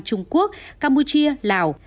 trung quốc campuchia lào